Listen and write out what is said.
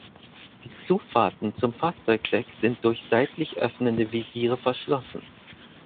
Die Zufahrten zum Fahrzeugdeck sind durch seitlich öffnende Visiere verschlossen.